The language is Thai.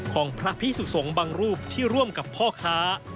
ของพระพิสุสงฆ์บางรูปที่ร่วมกับพ่อค้า